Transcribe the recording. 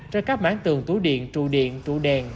trên các mảng tường tủ điện trụ điện trụ đèn